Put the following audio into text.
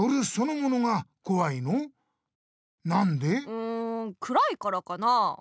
うんくらいからかな？